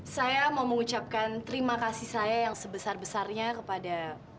saya mau mengucapkan terima kasih saya yang sebesar besarnya kepada